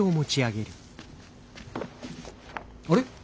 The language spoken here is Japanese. あれ？